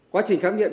quá trình khám nghiệm